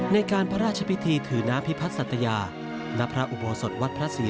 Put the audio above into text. ในการพระราชพิธีถือน้ำพิพัฒนสัตยาณพระอุโบสถวัดพระศรี